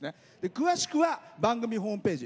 詳しくは番組ホームページ。